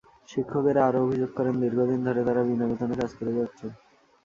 শিক্ষকেরা আরও অভিযোগ করেন, দীর্ঘদিন ধরে তাঁরা বিনা বেতনে কাজ করে যাচ্ছেন।